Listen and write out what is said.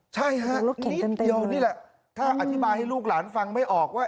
ใช่ฮะนี่แหละถ้าอธิบายให้ลูกหลานฟังไม่ออกว่า